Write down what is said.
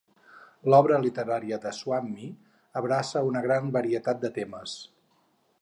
L'obra literària de Swamy abraça una gran varietat de temes.